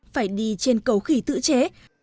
phải đi trên cầu khỉ tự chế